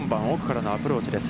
１４番奥からのアプローチです。